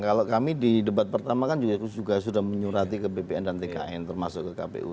kalau kami di debat pertama kan juga sudah menyurati ke bpn dan tkn termasuk ke kpu